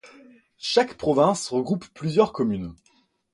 Chaque province regroupe plusieurs communes.